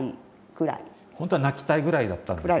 本当は泣きたいぐらいだったんですね。